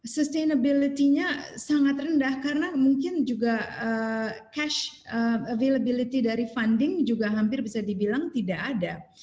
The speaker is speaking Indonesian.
sustainability nya sangat rendah karena mungkin juga cash availability dari funding juga hampir bisa dibilang tidak ada